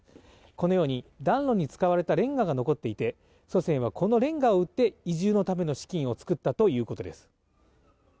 このように、暖炉に使われたれんがが残っていて、祖先はこのれんがを売って移住のための資金を作ったということです。